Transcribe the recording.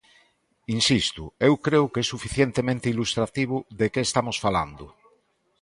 Insisto, eu creo que é suficientemente ilustrativo de que estamos falando.